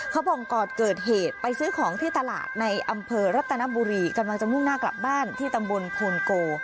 บอกก่อนเกิดเหตุไปซื้อของที่ตลาดในอำเภอรัตนบุรีกำลังจะมุ่งหน้ากลับบ้านที่ตำบลโพนโก